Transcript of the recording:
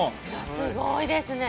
すごいですね。